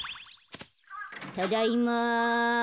ただいま。